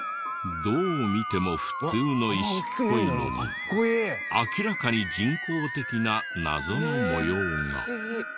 どう見ても普通の石っぽいのに明らかに人工的な謎の模様が。